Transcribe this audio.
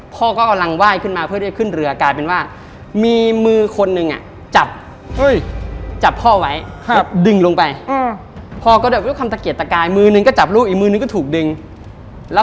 พ่อก็ก็ลั่งไหว้มายขึ้นมาเพื่อยเทียบขึ้นเรือ